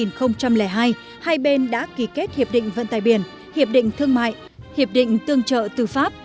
năm hai nghìn hai hai bên đã ký kết hiệp định vận tải biển hiệp định thương mại hiệp định tương trợ tư pháp